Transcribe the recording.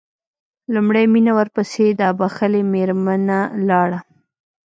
لومړی مينه ورپسې دا بښلې مېرمنه لاړه.